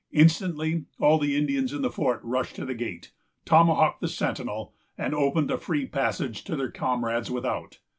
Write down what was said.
Instantly all the Indians in the fort rushed to the gate, tomahawked the sentinel, and opened a free passage to their comrades without.